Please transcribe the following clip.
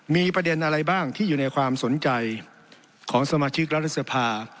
มีประเด็นอะไรบ้างที่อยู่ในความสนใจของสมาชิกรัฐสภา